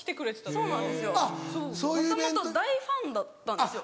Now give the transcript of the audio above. もともと大ファンだったんですよ。